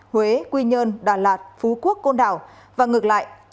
huế quy nhơn đà lạt phú quốc côn đảo và ngược lại